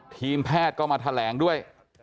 ทีมแพทย์ก็มาแถลงด้วย